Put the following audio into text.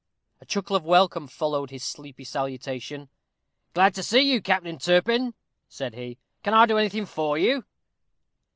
A chuckle of welcome followed his sleepy salutation. "Glad to see you, Captain Turpin," said he; "can I do anything for you?"